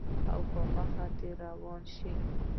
او پۀ مخه ترې روان شې